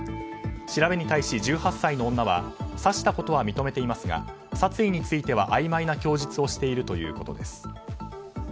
調べに対し１８歳の女は刺したことは認めていますが殺意についてはあいまいな供述をしているということです。